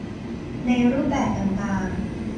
ในรูปแบบต่างต่าง